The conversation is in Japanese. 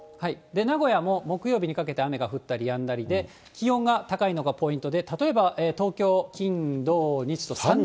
名古屋も木曜日にかけて雨が降ったりやんだりで、気温が高いのがポイントで、例えば東京、金、土、日と、３３度。